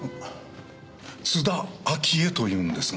津田明江というんですが。